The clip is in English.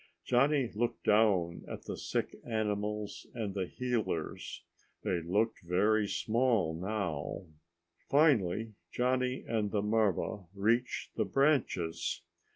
Johnny looked down at the sick animals and the healers. They looked very small now. Finally Johnny and the marva reached the branches.